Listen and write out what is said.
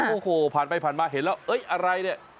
โอ้โฮผ่านไปผ่านมาเห็นแล้วอะไรนี่